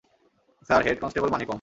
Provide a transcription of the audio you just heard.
Sir, head constable Manickam.